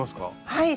はい。